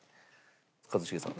一茂さん